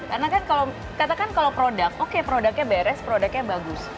karena kan kalau katakan kalau produk oke produknya beres produknya bagus